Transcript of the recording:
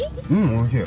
おいしい。